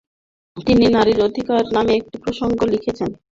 তিনি ‘নারীর অধিকার’ নামে একটি প্রবন্ধ লিখছিলেন।